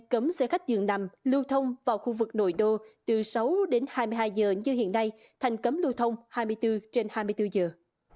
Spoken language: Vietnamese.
cấm xe khách dường nằm lưu thông vào khu vực nội đô từ sáu đến hai mươi hai giờ như hiện nay thành cấm lưu thông hai mươi bốn trên hai mươi bốn giờ